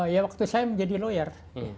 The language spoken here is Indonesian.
ya waktu saya menjadi lawyer